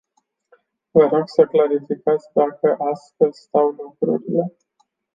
Vă rog să clarificați dacă astfel stau lucrurile.